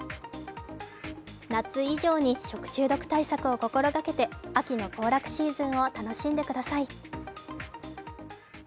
夏以上に食中毒対策を心がけて秋の行楽シーズンを楽しんでください。